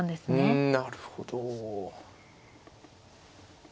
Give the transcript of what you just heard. うんなるほど。